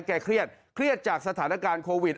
เครียดเครียดจากสถานการณ์โควิด